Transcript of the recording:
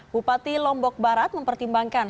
bupati lombok barat mempertimbangkan